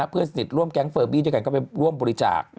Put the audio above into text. เพื่อนสนิทร่วมแก๊งเฟอร์บี้ด้วยกันก็ไปร่วมบริจาค